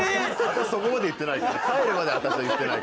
私そこまで言ってない。